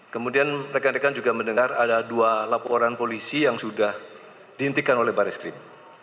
kemudian rekan rekan juga mendengar ada dua laporan polisi yang sudah dihentikan oleh baris krim